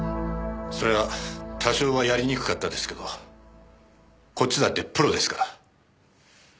それは多少はやりにくかったですけどこっちだってプロですから。